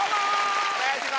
お願いします！